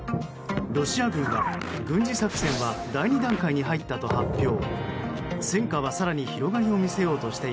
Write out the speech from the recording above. ロシア軍は、軍事作戦は第２段階に入ったと発表。